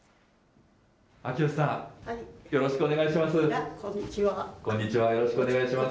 秋吉さん、よろしくお願いします。